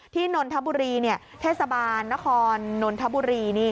ที่นนทบุรีเนี่ยเทศบาลนครนนทบุรี